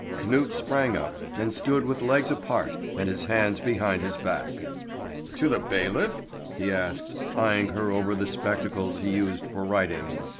Knut sprang up, and stood with legs apart and his hands behind his back. "To the bailiff?" he asked, eyeing her over the spectacles he used for writing.